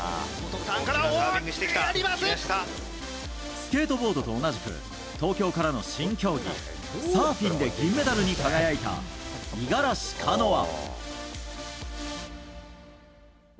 スケートボードと同じく東京からの新競技サーフィンで銀メダルに輝いた五十嵐カノア。